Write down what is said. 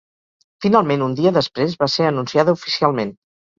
Finalment un dia després va ser anunciada oficialment.